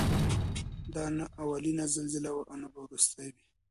دا نه اولینه زلزله وه او نه به وروستۍ وي.